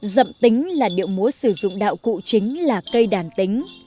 dậm tính là điệu múa sử dụng đạo cụ chính là cây đàn tính